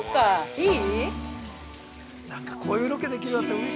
いい？